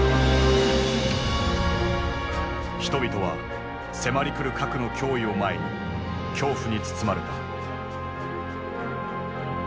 人々は迫り来る核の脅威を前に恐怖に包まれた。